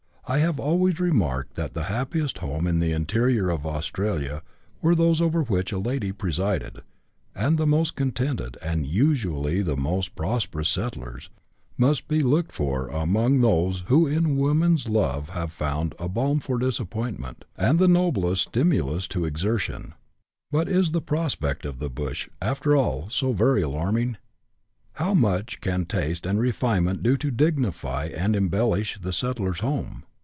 I have always re marked that the happiest homes in the interior of Australia were CHAP. XIV.] FEMININE OCCUPATIONS. 155 those over which a lady presided, and the most contented, and usually the most prosperous settlers, must be looked for among those who in woman's love have found a balm for disappointment, and the noblest stimulus to exertion. But is the prospect of the bush, after all, so very alarming ? How much can taste and refinement do to dignify and embellish the settler's home